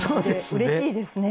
うれしいですね。